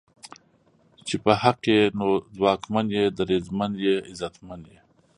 چې په حق ئې نو ځواکمن یې، دریځمن یې، عزتمن یې